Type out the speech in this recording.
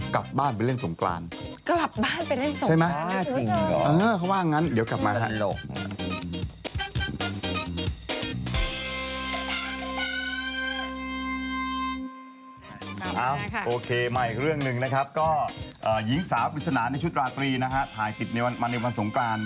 เขาว่าอย่างงั้น